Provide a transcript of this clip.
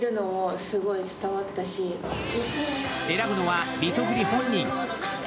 選ぶのはリトグリ本人。